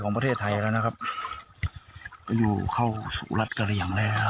เนี่ยครับคุณผู้ชมครับ